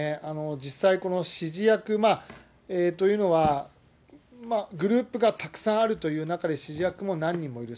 実際この指示役というのは、グループがたくさんあるという中で指示役も何人もいる。